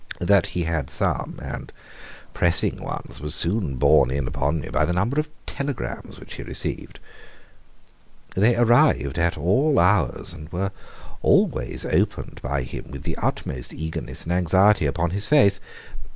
That he had some, and pressing ones, was soon borne in upon me by the number of telegrams which he received. They arrived at all hours, and were always opened by him with the utmost eagerness and anxiety upon his face.